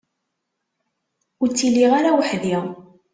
Ur ttiliɣ ara weḥd-i.